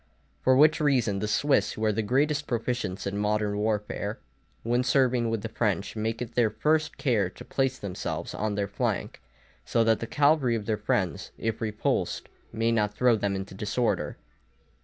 For which reason the Swiss, who are the greatest proficients in modern warfare, when serving with the French, make it their first care to place themselves on their flank, so that the cavalry of their friends, if repulsed, may not throw them into disorder.